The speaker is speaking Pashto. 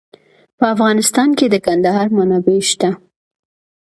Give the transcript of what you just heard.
په افغانستان کې د کندهار منابع شته.